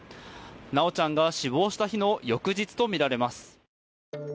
修ちゃんが死亡した日の翌日とみられます。